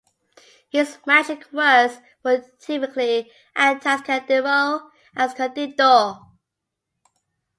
His magic words were typically Atascadero Escondido!